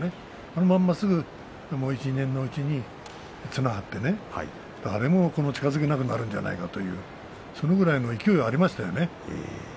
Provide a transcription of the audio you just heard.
このまますぐ１、２年のうちに綱を張ってね、誰も近づけなくなるんじゃないかと、それぐらいの勢いがありましたからね。